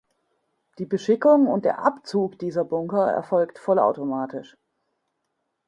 Die Beschickung und der Abzug dieser Bunker erfolgt vollautomatisch.